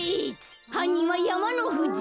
はんにんはやまのふじ。